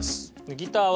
ギターは。